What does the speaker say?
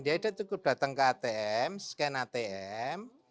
dia sudah cukup datang ke atm scan atm